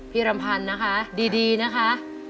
รำพันธ์นะคะดีนะคะ